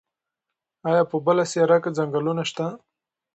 ایا په بله سیاره کې ځنګلونه شته؟